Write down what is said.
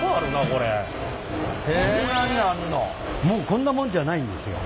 こんなもんじゃないんですよ。